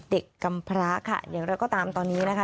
เด็กกำพระค่ะอย่างนั้นก็ตามตอนนี้นะคะ